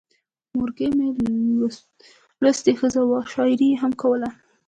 مورکۍ مې لوستې ښځه وه، شاعري یې هم کوله.